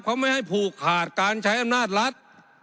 เขาไม่ให้ผูกขาดการใช้อำนาจรัฐ